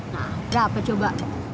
nah berapa coba